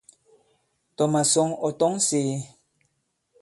Tɔ̀ màsɔ̌ŋ ɔ̀ tɔ̌ŋ sēē.